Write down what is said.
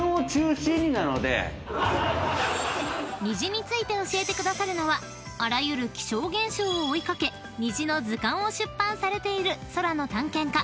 ［虹について教えてくださるのはあらゆる気象現象を追い掛け『虹の図鑑』を出版されている空の探検家